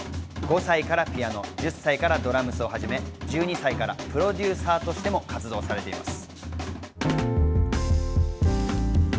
５歳からピアノ、１０歳からドラムスをはじめ、１２歳からプロデューサーとしても活動しています。